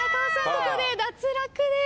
ここで脱落です。